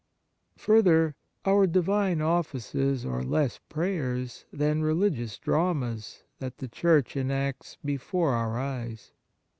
Further, our divine offices are less prayers than religious dramas that the Church enacts before our eyes.